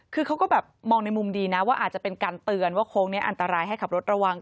คือเขาก็แบบมองในมุมดีนะว่าอาจจะเป็นการเตือนว่าโค้งนี้อันตรายให้ขับรถระวัง